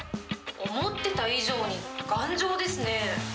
思ってた以上に頑丈ですね。